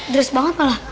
dres banget malah